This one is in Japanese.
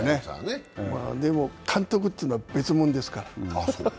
でも監督というのは別ものです。